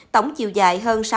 tổng chiều dài hơn sáu sáu km